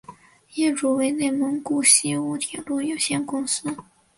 业主为内蒙古锡乌铁路有限责任公司。